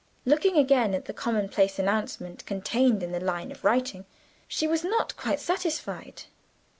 Looking again at the commonplace announcement contained in the line of writing, she was not quite satisfied.